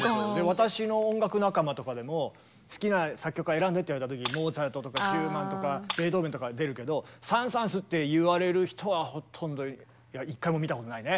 私の音楽仲間とかでも好きな作曲家選んでっていわれた時にモーツァルトとかシューマンとかベートーベンとかは出るけどサン・サーンスっていわれる人はほとんどいや一回も見たことないね。